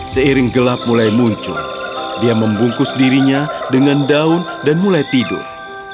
seiring gelap mulai muncul dia membungkus dirinya dengan daun dan mulai tidur